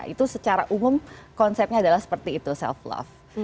itu secara umum konsepnya adalah seperti itu self love